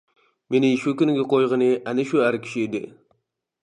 مېنى شۇ كۈنگە قويغىنى ئەنە شۇ ئەر كىشى ئىدى.